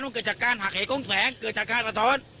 มันเกิดจากการหักเหของแสงเกิดจากการสะท้อน